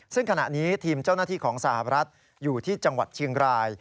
ซึ่งขณะนี้ทีมเจ้าหน้าที่ของสหรัฐอยู่ที่จังหวัดเชียงราย